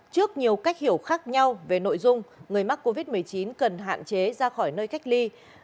trước nhiều cách hiểu khác nhau về nội dung người mắc covid một mươi chín cần hạn chế ra khỏi nơi cách ly